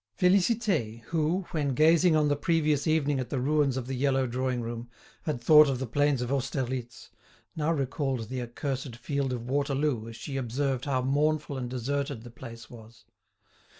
Félicité who, when gazing on the previous evening at the ruins of the yellow drawing room, had thought of the plains of Austerlitz, now recalled the accursed field of Waterloo as she observed how mournful and deserted the place was.